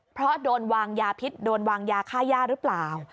เพราะโดนวางยาพิษโดนวางยาฆ่าย่าหรือเปล่า